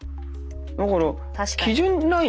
だから基準ない。